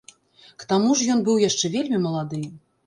К таму ж ён быў яшчэ вельмі малады.